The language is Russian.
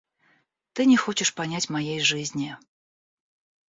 Ты не хочешь понять моей жизни.